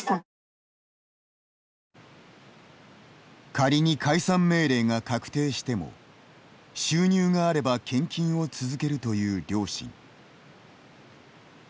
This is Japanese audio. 仮に解散命令が確定しても収入があれば献金を続けるという両親。